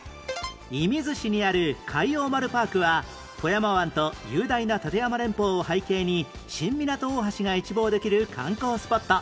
射水市にある海王丸パークは富山湾と雄大な立山連峰を背景に新湊大橋が一望できる観光スポット